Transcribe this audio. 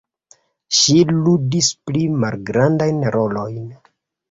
Ŝi ludis pli malgrandajn rolojn.